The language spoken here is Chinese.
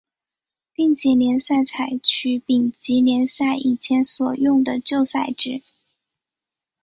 丁级联赛采取丙级联赛以前所用的旧赛制。